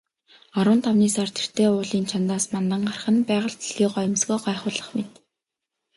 Арван тавны сар тэртээ уулын чанадаас мандан гарах нь байгаль дэлхий гоёмсгоо гайхуулах мэт.